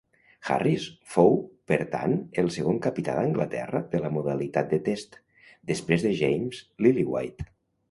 Harris fou per tant el segon capità d'Anglaterra de la modalitat de Test, després de James Lillywhite.